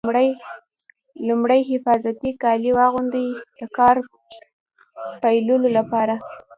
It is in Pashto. لومړی حفاظتي کالي واغوندئ د کار پیلولو لپاره.